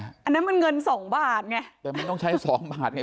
อันนั้นมันเงินสองบาทไงแต่มันต้องใช้สองบาทไง